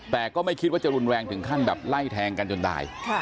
แต่ก็ไม่คิดว่าจะรุนแรงถึงขั้นแบบไล่แทงกันจนตาย